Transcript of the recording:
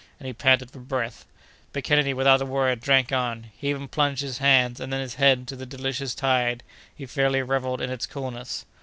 and he panted for breath. But Kennedy, without a word, drank on. He even plunged his hands, and then his head, into the delicious tide—he fairly revelled in its coolness.